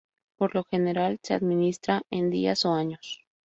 Por lo general, se administra en días o años.